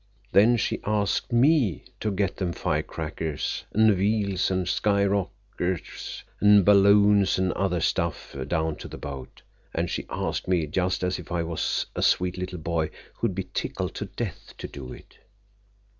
Then she asked me to get them firecrackers 'n' wheels 'n' skyrockets 'n' balloons 'n' other stuff down to the boat, and she asked me just as if I was a sweet little boy who'd be tickled to death to do it!"